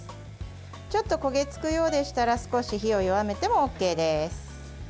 ちょっと焦げ付くようでしたら少し火を弱めてもＯＫです。